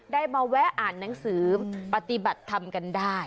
ได้มาแวะอ่านหนังสือปฏิบัติธรรมกันได้